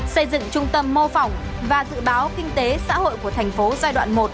xây dựng trung tâm mô phỏng và dự báo kinh tế xã hội của thành phố giai đoạn một